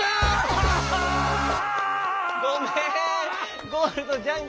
ごめん！